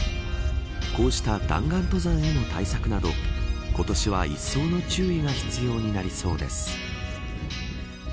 こうした弾丸登山への対策など今年は一層の注意が必要になりそうです。